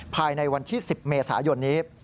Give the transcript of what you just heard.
ภายในวันที่๑๐เมษายนนี้